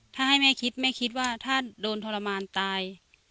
ถ้าให้แม่คิดแม่คิดว่าถ้าโดนทรมานตาย